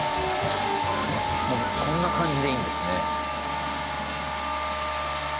こんな感じでいいんですね。